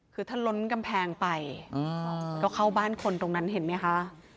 คือถ้าล้นกำแพงไปก็เข้าบ้านคนตรงนั้นเห็นไหมคะ